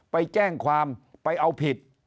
ไปแจ้งความไปเอาผิด